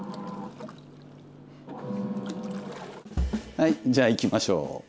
はいじゃあいきましょう。